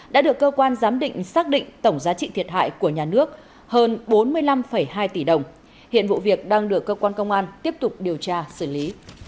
đã được cơ quan giám định xác định tổng giá trị thiệt hại của nhà nước hơn bốn mươi năm hai tỷ đồng hiện vụ việc đang được cơ quan công an tiếp tục điều tra xử lý